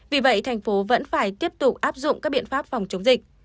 vì vậy tp hcm vẫn phải tiếp tục áp dụng các biện pháp phòng chống dịch